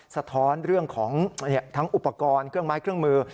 สะท้อนเรื่องของทั้งอุปกรณ์เครื่องไม้เครื่องมือ